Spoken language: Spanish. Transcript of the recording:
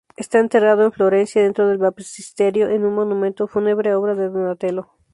Está enterrado en Florencia, dentro del Baptisterio, en un monumento fúnebre obra de Donatello.